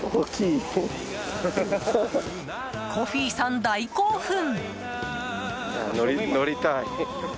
コフィさん大興奮！